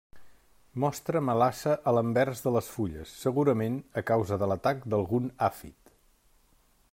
Mostra melassa a l'anvers de les fulles, segurament a causa de l'atac d'algun àfid.